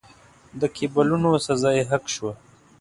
د کېبولونو سزا یې حق شوه.